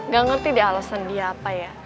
gak ngerti deh alasan dia apa ya